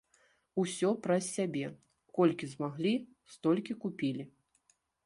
Усё праз сябе, колькі змаглі, столькі купілі.